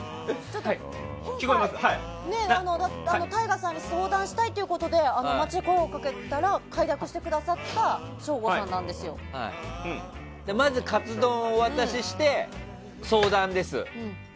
ＴＡＩＧＡさんに相談したいっていうことで街で声をかけたら快諾してくださったまずカツ丼をお渡しして相談です。